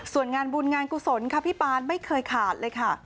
ส่วนงานบุญงานกุศลค่ะพี่ปานไม่เคยขาดเลยค่ะ